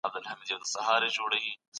انلاين زده کړه د وخت تنظيم آسانه کړی دی.